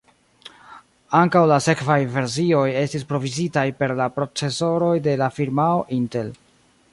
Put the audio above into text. Ankaŭ la sekvaj versioj estis provizitaj per la procesoroj de la firmao Intel.